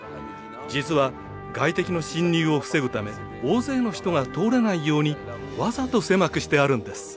実は外敵の侵入を防ぐため大勢の人が通れないようにわざと狭くしてあるんです。